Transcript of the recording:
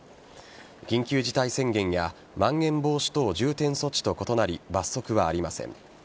緊急事態宣言やまん延防止等重点措置と異なり罰則はありません。